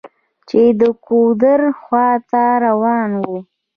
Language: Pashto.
چې د ګودر خواته روان و.